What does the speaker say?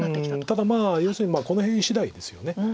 ただ要するにこの辺しだいですよね。